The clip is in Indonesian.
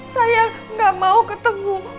saya gak mau ketemu